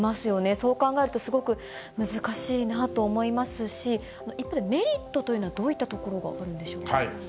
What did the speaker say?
そう考えるとすごく難しいなと思いますし、一方で、メリットというのは、どういったところがあるんでしょうか。